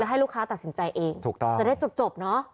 แล้วให้ลูกค้าตัดสินใจเองจะได้จบเนาะ